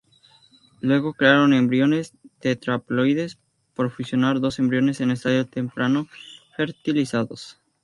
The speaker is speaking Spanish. Luego, crearon embriones tetraploides por fusionar dos embriones en estadio temprano fertilizados.